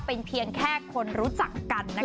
เป็นเพียงแค่คนรู้จักกันนะคะ